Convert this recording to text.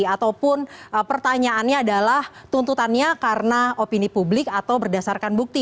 ataupun pertanyaannya adalah tuntutannya karena opini publik atau berdasarkan bukti